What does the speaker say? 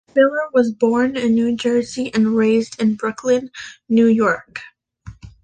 Spiller was born in New Jersey and raised in Brooklyn, New York.